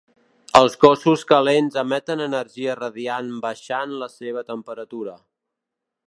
Els cossos calents emeten energia radiant baixant la seva temperatura.